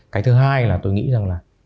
cái thứ hai là tôi nghĩ rằng là